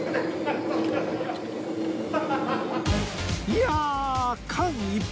いや間一髪